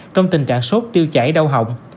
trong tình trạng sốt tiêu chảy đau hỏng